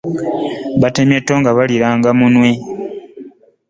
Batemye tto nga baliranga munwe.